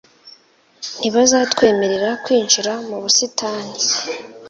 Ntibazatwemerera kwinjira mu busitani